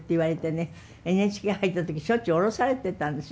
ＮＨＫ入った時しょっちゅう降ろされてたんですよ。